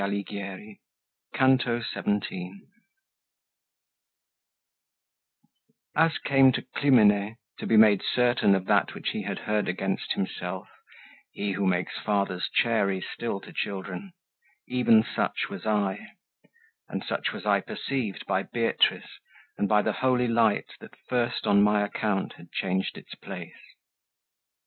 Paradiso: Canto XVII As came to Clymene, to be made certain Of that which he had heard against himself, He who makes fathers chary still to children, Even such was I, and such was I perceived By Beatrice and by the holy light That first on my account had changed its place.